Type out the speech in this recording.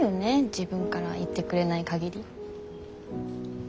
自分から言ってくれない限り。